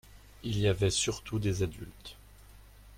Il y avait surtout des adultes.